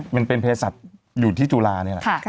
มันเป็นเพชศัตริย์อยู่ที่จุฬานี่